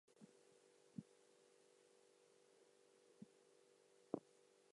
And we and our progeny are the losers.